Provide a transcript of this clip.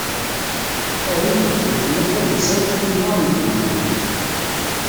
Ahil n tddukkla tadelsant Imnar n Tdukli.